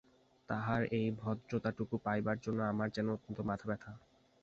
তাঁহার এই ভদ্রতাটুকু পাইবার জন্য আমার যেন অত্যন্ত মাথাব্যথা!